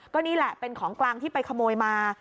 ก็นี่แหละเป็นของกลางที่ไปขโมยมา